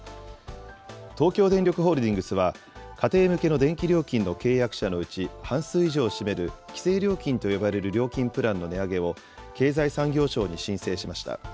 東京電力ホールディングスは、家庭向けの電気料金の契約者のうち半数以上を占める規制料金と呼ばれる料金プランの値上げを、経済産業省に申請しました。